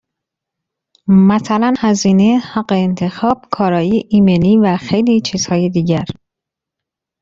مثلا هزینه، حق انتخاب، کارایی، ایمنی و خیلی چیزهای دیگر.